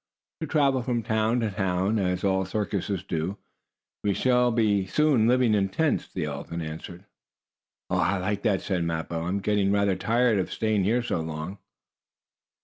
"To travel from town to town, as all circuses do. We shall soon be living in tents," the elephant answered. "I'll like that," said Mappo. "I am getting rather tired of staying here so long."